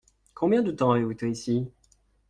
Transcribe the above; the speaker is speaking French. Combien de temps avez-vous été ici ?